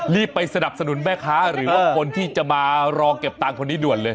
ไปสนับสนุนแม่ค้าหรือว่าคนที่จะมารอเก็บตังค์คนนี้ด่วนเลย